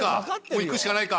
いくしかないか。